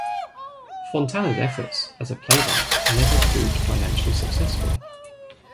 Fontana's efforts as a playwright never proved financially successful.